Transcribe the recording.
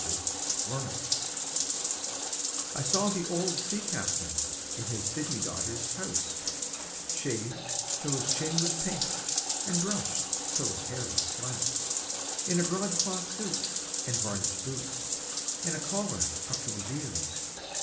OLD BOATS I saw the old sea captain in his city daughter's house, Shaved till his chin was pink, and brushed till his hair was flat, In a broadcloth suit and varnished boots and a collar up to his ears.